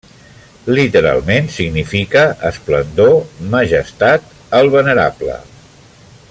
Literalment significa esplendor, majestat, el venerable.